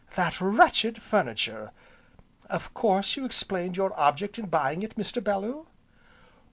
"That wretched furniture! Of course you explained your object in buying it, Mr. Bellew?"